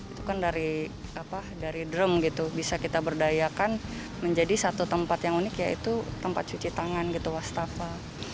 itu kan dari drum gitu bisa kita berdayakan menjadi satu tempat yang unik yaitu tempat cuci tangan gitu wastafel